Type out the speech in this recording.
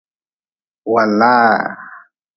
Waalaa.